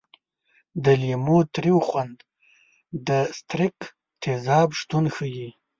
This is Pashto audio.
د لیمو تریو خوند د ستریک تیزاب شتون ښيي.